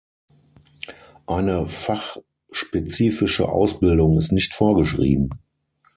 Eine fachspezifische Ausbildung ist nicht vorgeschrieben.